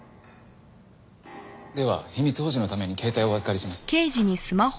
では秘密保持のために携帯をお預かりします。